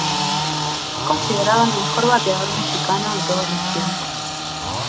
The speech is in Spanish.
Es considerado el mejor bateador mexicano de todos los tiempos.